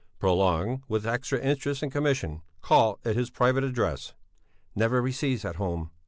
"Prolong, with extra interest and commission. Call at his private address." "Never receives at home."